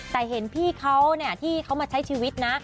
แต่เห็นพี่เขาที่เขามาใช้ชีวิตนะ